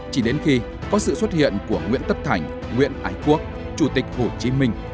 chỉ đến khi có sự xuất hiện của nguyễn tất thành nguyễn ái quốc chủ tịch hồ chí minh